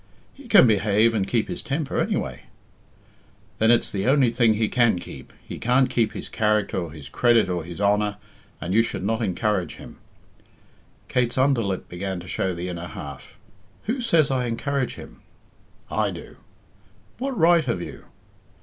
"He can behave and keep his temper, anyway." "Then it's the only thing he can keep. He can't keep his character or his credit or his honor, and you should not encourage him." Kate's under lip began to show the inner half. "Who says I encourage him?" "I do." "What right have you?"